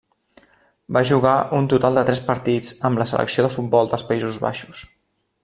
Va jugar un total de tres partits amb la selecció de futbol dels Països Baixos.